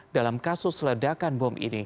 dalam kasus ledakan bom